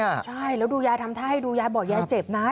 ใช่แล้วดูยายทำท่าให้ดูยายบอกยายเจ็บนะ